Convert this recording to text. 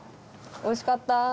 おいしかった。